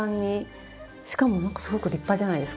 しかもなんかすごく立派じゃないですか。